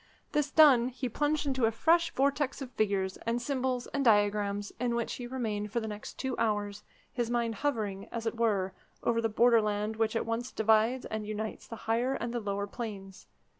This done, he plunged into a fresh vortex of figures, and symbols, and diagrams, in which he remained for the next two hours, his mind hovering, as it were, over the borderland which at once divides and unites the higher and the lower planes.